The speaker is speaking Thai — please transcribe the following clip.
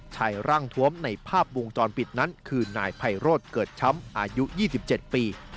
ชายร่างทวมในภาพวงจรปิดนั้นคือนายไพโรธเกิดช้ำอายุ๒๗ปี